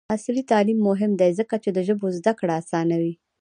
عصري تعلیم مهم دی ځکه چې د ژبو زدکړه اسانوي.